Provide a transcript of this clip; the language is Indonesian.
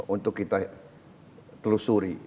untuk kita telusuri